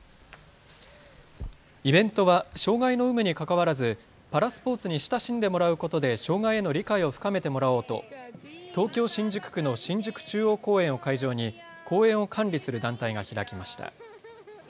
イベントは障害の有無に関わらずパラスポーツに親しんでもらうことで障害への理解を深めてもらおうと東京新宿区の新宿中央公園を会場に公園を管理する団体が開きました。